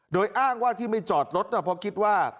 โดยอ้างว่าที่ไม่จอดรถเพราะคิดว่า